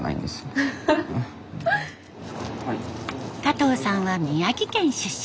加藤さんは宮城県出身。